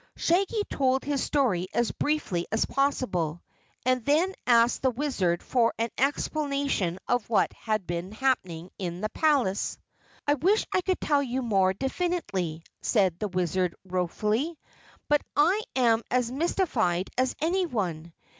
Shaggy told his story as briefly as possible, and then asked the Wizard for an explanation of what had been happening in the Palace. "I wish I could tell you more definitely," said the Wizard ruefully. "But I am as mystified as anyone.